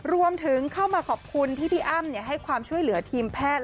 รวมถึงเข้ามาขอบคุณที่พี่อ้ำให้ความช่วยเหลือทีมแพทย์